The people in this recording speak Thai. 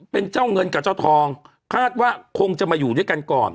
เป็นเจ้าเงินกับเจ้าทองคาดว่าคงจะมาอยู่ด้วยกันก่อน